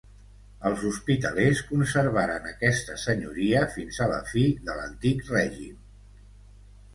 Els hospitalers conservaren aquesta senyoria fins a la fi de l'Antic Règim.